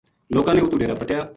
لوکاں نے اُتو ڈیرا پَٹیا